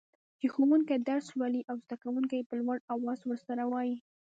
چي ښوونکي درس لولي او زده کوونکي يي په لوړ اواز ورسره وايي.